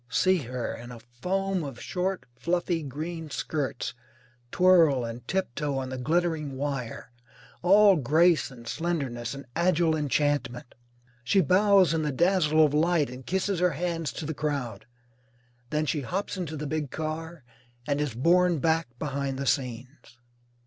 See her, in a foam of short fluffy green skirts, twirl and tiptoe on the glittering wire, all grace and slenderness and agile enchantment. She bows in the dazzle of light and kisses her hands to the crowd. Then she hops into the big car and is borne back behind the scenes.